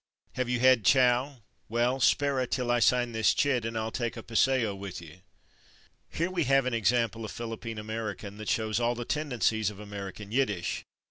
Have you had chow? Well, spera till I sign this chit and I'll take a paseo with you. [Pg158] Here we have an example of Philippine American that shows all the tendencies of American Yiddish.